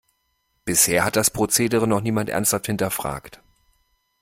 Bisher hat das Prozedere noch niemand ernsthaft hinterfragt.